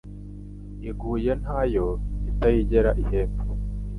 Iguye ntayo itayigera ihembe